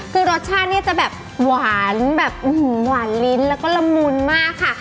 คือรสชาติเนี่ยจะแบบหวานแบบหวานลิ้นแล้วก็ละมุนมากค่ะ